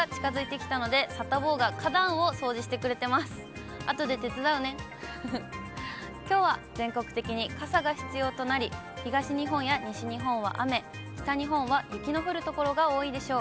きょうは全国的に傘が必要となり、東日本や西日本は雨、北日本は雪の降る所が多いでしょう。